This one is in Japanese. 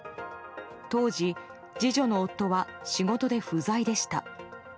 当時、次女の夫は仕事で不在でした。